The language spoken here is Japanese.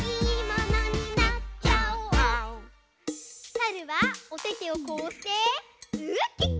さるはおててをこうしてウッキッキ！